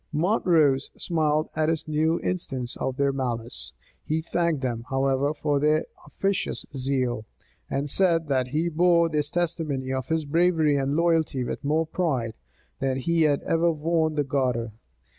Montrose smiled at this new instance of their malice. He thanked them, however, for their officious zeal; and said, that he bore this testimony of his bravery and loyalty with more pride than he had ever worn the garter.